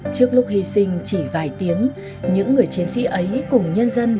trước lúc hy sinh chỉ vài tiếng những người chiến sĩ ấy cùng nhân dân